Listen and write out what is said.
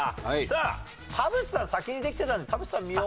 さあ田渕さん先にできてたんで田渕さん見ようかな。